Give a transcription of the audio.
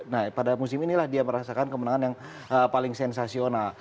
nah pada musim inilah dia merasakan kemenangan yang paling sensasional